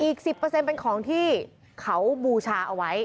อีก๑๐เป็นของที่เขาบูชาเอาไว้